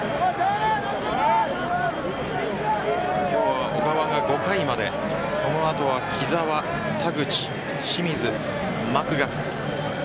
今日は小川が５回までその後は木澤、田口、清水マクガフ。